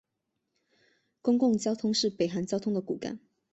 公共交通是北韩交通的骨干。